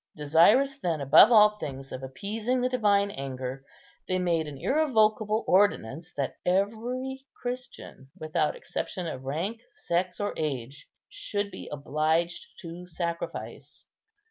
Desirous, then, above all things, of appeasing the divine anger, they made an irrevocable ordinance that every Christian, without exception of rank, sex, or age, should be obliged to sacrifice.